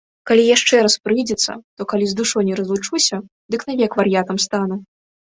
Калі яшчэ раз прыйдзецца, то, калі з душой не разлучуся, дык навек вар'ятам стану.